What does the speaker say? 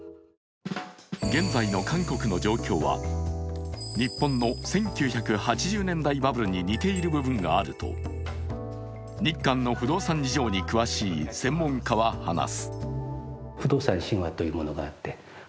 現在の韓国の状況は日本の１９８０年代バブルに似ている部分があると、日韓の不動産事情に詳しい専門家は話す。